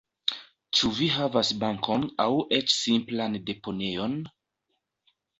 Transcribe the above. Ĉu vi havas bankon aŭ eĉ simplan deponejon?